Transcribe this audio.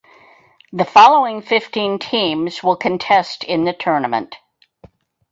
The following fifteen teams will contest in the tournament.